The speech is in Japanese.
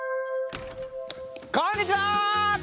こんにちは！